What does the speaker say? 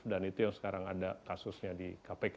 dan itu yang sekarang ada kasusnya